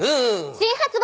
新発売。